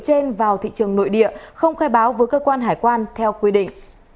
trên vào thị trường nội địa không khai báo với cơ quan hải quan theo quy định